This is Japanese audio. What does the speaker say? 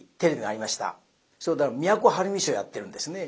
それで都はるみショーをやってるんですね。